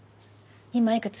今いくつ？